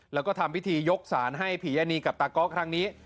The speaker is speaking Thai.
แล้วก็ทำพิธียกสารให้ผียานีกับตาก๊อกครั้งนี้